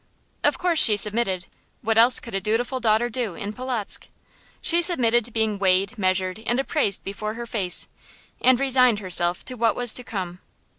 Of course she submitted. What else could a dutiful daughter do, in Polotzk? She submitted to being weighed, measured, and appraised before her face, and resigned herself to what was to come.